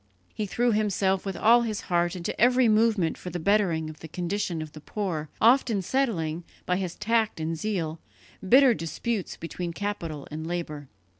He threw himself with all his heart into every movement for the bettering of the condition of the poor, often settling, by his tact and zeal, bitter disputes between capital and labour.